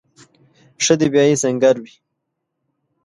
ښه دفاعي سنګر وي.